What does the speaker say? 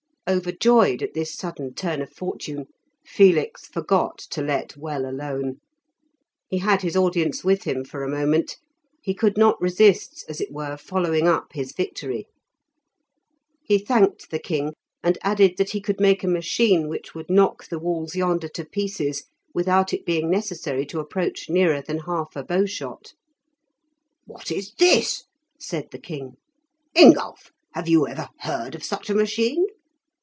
Overjoyed at this sudden turn of fortune, Felix forgot to let well alone. He had his audience with him for a moment; he could not resist as it were following up his victory. He thanked the king, and added that he could make a machine which would knock the walls yonder to pieces without it being necessary to approach nearer than half a bow shot. "What is this?" said the king. "Ingulph, have you ever heard of such a machine?"